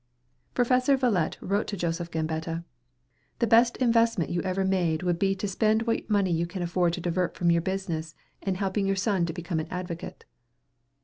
Professor Valette wrote to Joseph Gambetta, "The best investment you ever made would be to spend what money you can afford to divert from your business in helping your son to become an advocate."